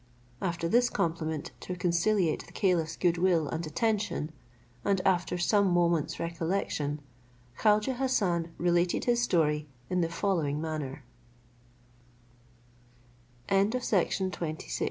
After this compliment to conciliate the caliph's good will and attention, and after some moments' recollection, Khaujeh Hassan related his story in the following manner: The Story of Khaujeh Hassan